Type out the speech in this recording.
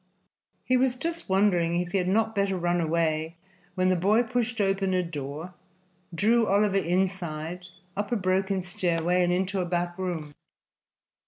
He was just wondering if he had not better run away when the boy pushed open a door, drew Oliver inside, up a broken stairway and into a back room.